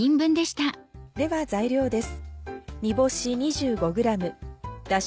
では材料です。